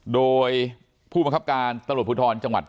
โดยผู้มังคับการตรวจผุดธรรมดิ์